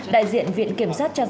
đại diện viện kiểm sát cho biết